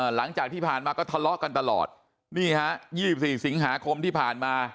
หลังจากที่ผ่านมาก็ทะเลาะกันตลอดนี่ฮะ๒๔สิงหาคมที่ผ่านมา